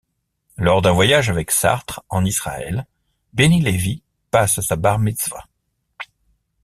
Lors d'un voyage avec Sartre en Israël, Benny Lévy passe sa Bar Mitzvah.